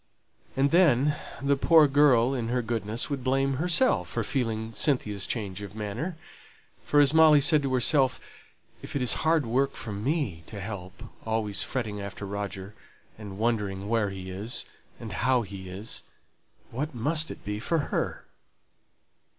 And then the poor girl in her goodness would blame herself for feeling Cynthia's change of manner; for as Molly said to herself, "If it is hard work for me to help always fretting after Roger, and wondering where he is, and how he is, what must it be for her?"